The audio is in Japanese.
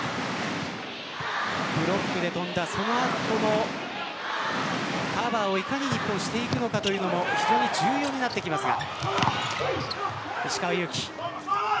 ブロックで跳んだ、その後のカバーをいかにしていくのかというのも重要になってきますが。